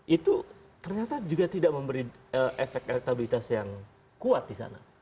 itu ternyata juga tidak memberi efek elektabilitas yang kuat di sana